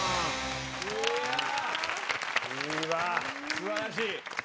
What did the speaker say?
素晴らしい。